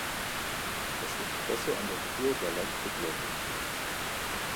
Das Interesse an der Tour war leicht rückläufig.